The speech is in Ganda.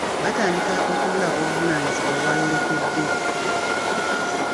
Batandika okumulaga obuvunaanyizibwa bwayolekede.